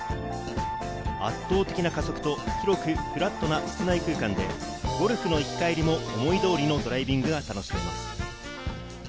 圧倒的な加速と広くフラットな室内空間で、ゴルフの行き帰りも思い通りのドライビングが楽しめます。